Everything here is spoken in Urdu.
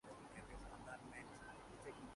اپنا تاثر بیان کریں